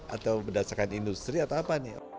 atau berdasarkan industri atau apa nih